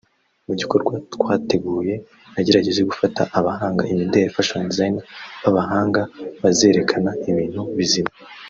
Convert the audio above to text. Mu gikorwa twateguye nagerageje gufata abahanga imideli [Fashion Designers] b’abahanga bazerekana ibintu bizima